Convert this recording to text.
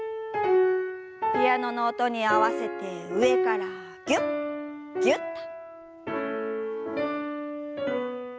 ピアノの音に合わせて上からぎゅっぎゅっと。